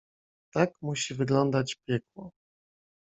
"Tak musi wyglądać piekło."